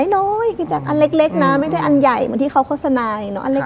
น้อยอันเล็กนะไม่ได้อันใหญ่เหมือนที่เขาโฆษณาอย่างเงี้ย